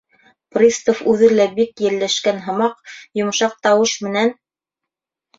Пристав, үҙе лә бик йәлләшкән һымаҡ, йомшаҡ тауыш менән: